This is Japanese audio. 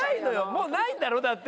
もうないんだろ？だって。